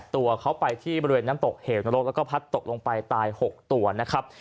ตัวเขาไปที่บริเวณน้ำตกเหวนรกแล้วก็พัดตกลงไปตาย๖ตัวนะครับ